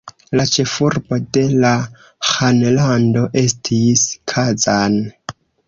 La ĉefurbo de la ĥanlando estis Kazan.